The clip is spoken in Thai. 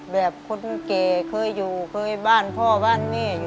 แบบคนแก่เคยอยู่เคยบ้านพ่อบ้านแม่อยู่